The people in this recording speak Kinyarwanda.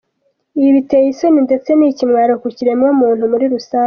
Ibi biteye isoni ndetse ni ikimwaro ku kiremwa muntu muri rusange.